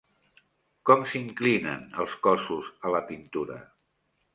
Com s'inclinen els cossos a la pintura?